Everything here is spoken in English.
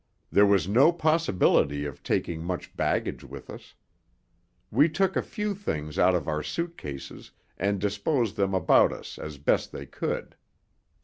There was no possibility of taking much baggage with us. We took a few things out of our suit cases and disposed them about us as best they could.